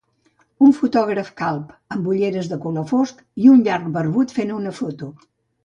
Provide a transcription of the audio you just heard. Un fotògraf calb amb ulleres de color fosc i un llarg barbut fent una foto.